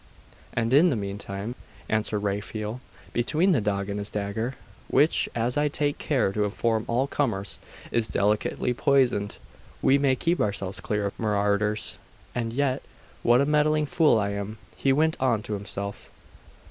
'And in the meantime,' answered Raphael, 'between the dog and this dagger, which, as I take care to inform all comers, is delicately poisoned, we may keep ourselves clear of marauders. And yet, what a meddling fool I am!' he went on to himself.